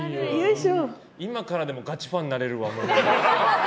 今からでもガチファンになれるわ。